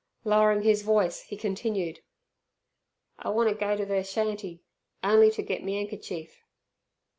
Lowering his voice, he continued: "I wanter go ter ther shanty on'y ter get me 'ankerchief."